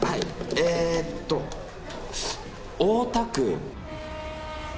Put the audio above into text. えーと大田区。